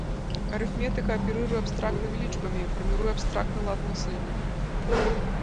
Арыфметыка аперыруе абстрактнымі лічбамі, фарміруе абстрактны лад мыслення.